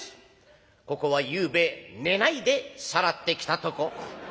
ここはゆうべ寝ないでさらってきたとこ」。